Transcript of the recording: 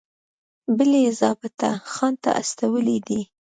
بل یې ضابطه خان ته استولی دی.